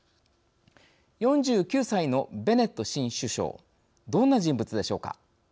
４９歳のベネット新首相どんな人物でしょうか。